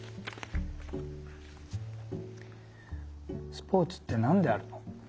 「スポーツってなんであるの？」